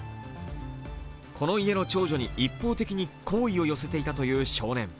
この家の長女に一方的に好意を寄せていたという少年。